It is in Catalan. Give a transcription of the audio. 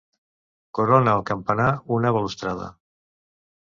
Corona el campanar una balustrada.